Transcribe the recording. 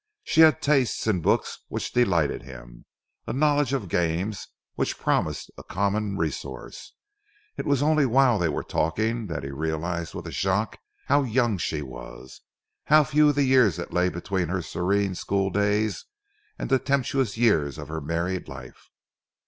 She had tastes in books which delighted him, a knowledge of games which promised a common resource. It was only whilst they were talking that he realised with a shock how young she was, how few the years that lay between her serene school days and the tempestuous years of her married life.